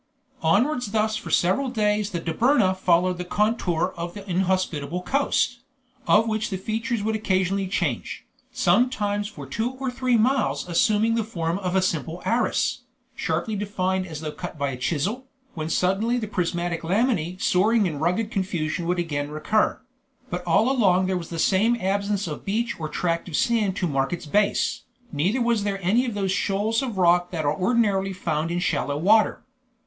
Onwards thus for several days the Dobryna followed the contour of the inhospitable coast, of which the features would occasionally change, sometimes for two or three miles assuming the form of a simple arris, sharply defined as though cut by a chisel, when suddenly the prismatic lamellae soaring in rugged confusion would again recur; but all along there was the same absence of beach or tract of sand to mark its base, neither were there any of those shoals of rock that are ordinarily found in shallow water.